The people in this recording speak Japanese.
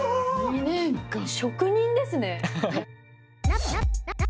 職人ですね。